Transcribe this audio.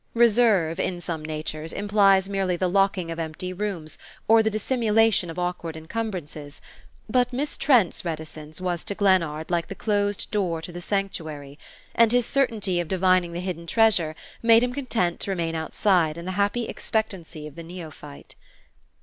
Reserve, in some natures, implies merely the locking of empty rooms or the dissimulation of awkward encumbrances; but Miss Trent's reticence was to Glennard like the closed door to the sanctuary, and his certainty of divining the hidden treasure made him content to remain outside in the happy expectancy of the neophyte.